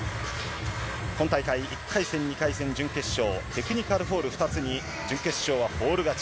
今大会、１回戦、２回戦、準決勝、テクニカルフォール２つに、準決勝はフォール勝ち。